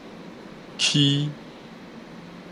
敧